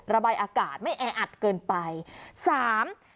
ระบายอากาศไม่แออัดเกินไปสาม